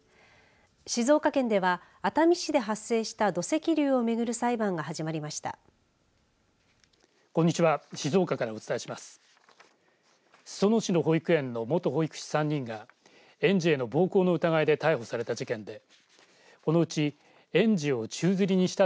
静岡県では、熱海市で発生した土石流を巡る裁判が始まりました。